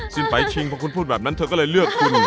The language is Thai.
ไปชิงพอคุณพูดแบบนั้นเธอก็เลยเลือกคุณ